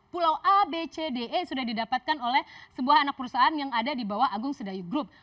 pulau a b c d e sudah didapatkan oleh sebuah anak perusahaan yang ada di bawah agung sedayu grup